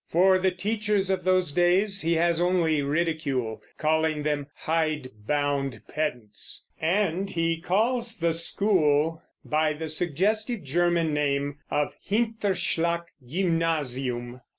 For the teachers of those days he has only ridicule, calling them "hide bound pedants," and he calls the school by the suggestive German name of Hinterschlag Gymnasium.